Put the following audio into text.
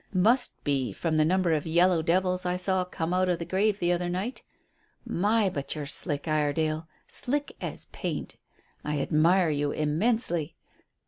Must be, from the number of 'yellow devils' I saw come out of the grave the other night. My, but you're slick, Iredale; slick as paint. I admire you immensely.